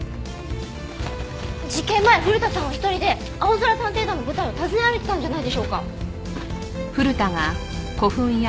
事件前古田さんは１人で『あおぞら探偵団』の舞台を訪ね歩いてたんじゃないでしょうか？